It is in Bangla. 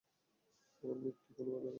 ওর মৃত্যু কোনো দুর্ঘটনা না।